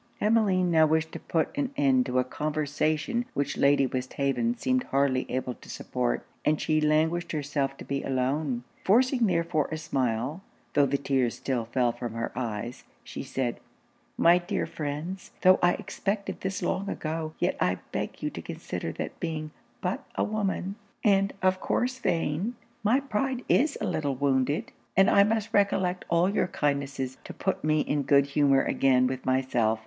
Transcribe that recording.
Emmeline now wished to put an end to a conversation which Lady Westhaven seemed hardly able to support; and she languished herself to be alone. Forcing therefore a smile, tho' the tears still fell from her eyes, she said 'My dear friends, tho' I expected this long ago, yet I beg you to consider that being but a woman, and of course vain, my pride is a little wounded, and I must recollect all your kindnesses, to put me in good humour again with myself.